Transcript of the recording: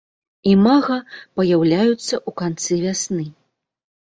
Імага паяўляюцца ў канцы вясны.